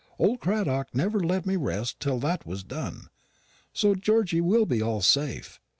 Old Cradock never let me rest till that was done. So Georgy will be all safe.